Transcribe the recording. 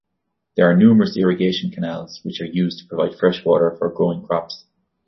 There are numerous irrigation canals, which are used to provide freshwater for growing crops.